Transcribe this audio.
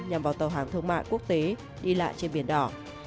nhằm vào tàu hàng thương mại quốc tế đi lại trên biển đỏ